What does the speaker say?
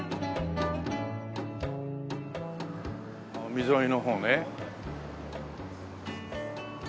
海沿いの方ね。